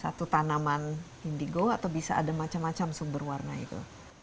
satu tanaman indigo atau bisa ada macam macam sumber warna itu